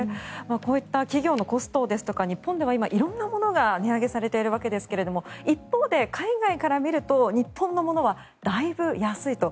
こういった企業のコストですとか日本では今色んなものが値上げされているわけですが一方で海外から見ると日本のものはだいぶ安いと。